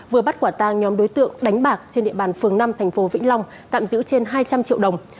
vừa bắt quả tang nhóm đối tượng đánh bạc trên địa bàn phường năm tp vĩnh long tạm giữ trên hai trăm linh triệu đồng